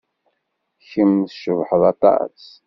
Kemm tcebḥeḍ aṭas.